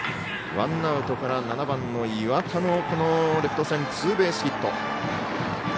ワンアウトから７番の岩田のレフト線ツーベースヒット。